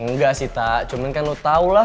enggak sih tak cuman kan lo tau lah